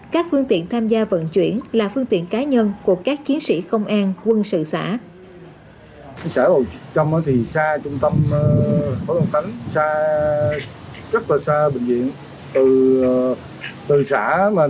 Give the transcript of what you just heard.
các phương tiện tham gia vận chuyển là phương tiện cá nhân của các chiến sĩ công an quân sự xã